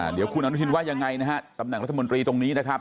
เดี๋ยวคุณอนุทินว่ายังไงนะฮะตำแหน่งรัฐมนตรีตรงนี้นะครับ